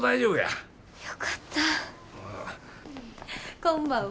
こんばんは。